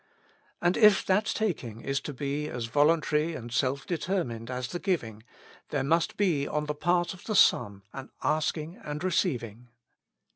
And if that taking is to be as voluntary and self determined as the giving, there must be on the part of the Son an asking and receiving.